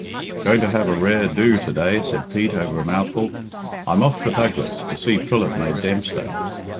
"Going to have a rare do to day," said Pete, over a mouthful. "I'm off for Douglas, to see Philip made Dempster.